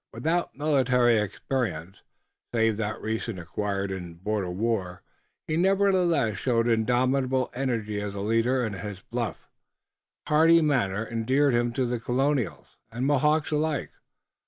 Without military experience, save that recently acquired in border war, he nevertheless showed indomitable energy as a leader, and his bluff, hearty manner endeared him to Colonials and Mohawks alike.